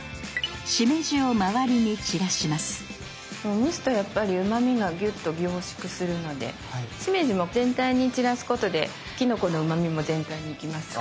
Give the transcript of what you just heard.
蒸すとやっぱりうまみがギュッと凝縮するのでしめじも全体に散らすことできのこのうまみも全体にいきますから。